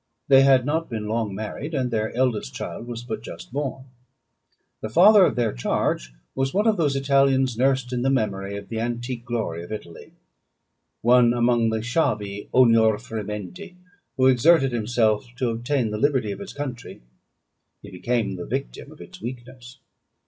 They had not been long married, and their eldest child was but just born. The father of their charge was one of those Italians nursed in the memory of the antique glory of Italy, one among the schiavi ognor frementi, who exerted himself to obtain the liberty of his country. He became the victim of its weakness.